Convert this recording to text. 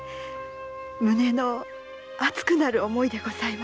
胸の熱くなる思いでございます。